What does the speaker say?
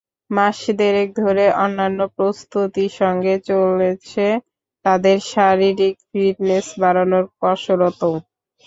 মাস দেড়েক ধরে অন্যান্য প্রস্তুতির সঙ্গে চলেছে তাঁদের শারীরিক ফিটনেস বাড়ানোর কসরতও।